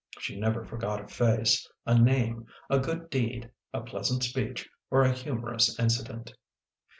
She never forgot a face, a name, a good deed, a pleasant speech or a humorous incident.